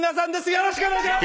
よろしくお願いします！